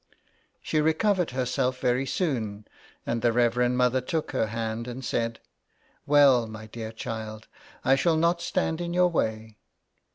She recovered herself very soon, and the Reverend Mother took her hand and said :" Well, my dear child, I shall not stand in your way."